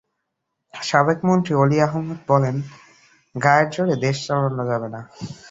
সাবেক মন্ত্রী অলি আহমদ বলেন, গায়ের জোরে দেশ চালানো যাবে না।